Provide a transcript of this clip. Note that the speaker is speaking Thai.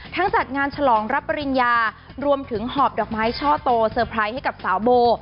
จัดงานฉลองรับปริญญารวมถึงหอบดอกไม้ช่อโตเซอร์ไพรส์ให้กับสาวโบ